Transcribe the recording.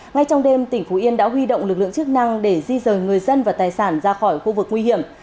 ngay trong đêm tỉnh phú yên đã huy động lực lượng chức năng để di rời người dân và tài sản ra khỏi khu vực nguy hiểm